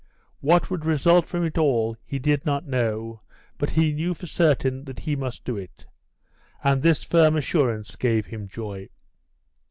What would result from it all he did not know, but he knew for certain that he must do it. And this firm assurance gave him joy.